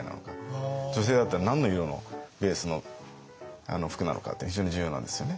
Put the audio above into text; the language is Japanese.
女性だったら何の色のベースの服なのかって非常に重要なんですよね。